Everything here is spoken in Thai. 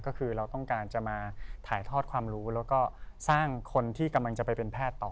ก็คือเราต้องการจะมาถ่ายทอดความรู้แล้วก็สร้างคนที่กำลังจะไปเป็นแพทย์ต่อ